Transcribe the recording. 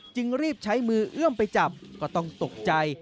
จึงรีบใช้มือเอื้อมไปจับก็ต้องตกใจ